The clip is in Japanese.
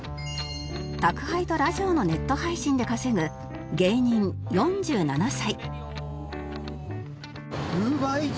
宅配とラジオのネット配信で稼ぐ芸人４７歳